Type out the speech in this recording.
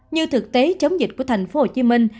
như thực tế chống dịch của thành phố hồ chí minh